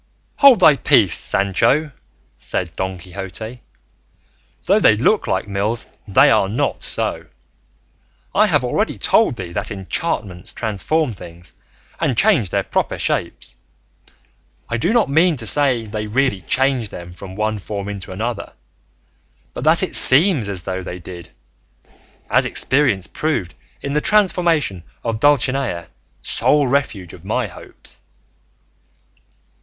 "Hold thy peace, Sancho," said Don Quixote; "though they look like mills they are not so; I have already told thee that enchantments transform things and change their proper shapes; I do not mean to say they really change them from one form into another, but that it seems as though they did, as experience proved in the transformation of Dulcinea, sole refuge of my hopes."